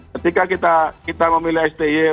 ketika kita memilih sti